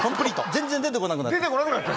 全然出てこなくなった。